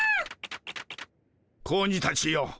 子鬼たちよ。